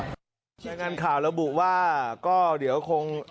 รายงานข่าวระบุว่าก็เดี๋ยวคง